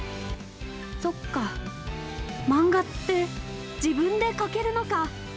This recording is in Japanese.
そっか、マンガって、自分で描けるのか。